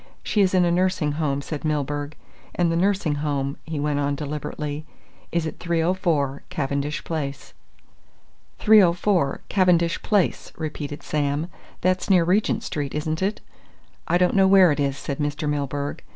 She is in a nursing home," said Milburgh, "and the nursing home," he went on deliberately, "is at 304, Cavendish Place." "304, Cavendish Place," repeated Sam. "That's near Regent Street, isn't it?" "I don't know where it is," said Mr. Milburgh.